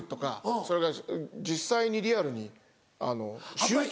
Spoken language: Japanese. それが実際にリアルに集中。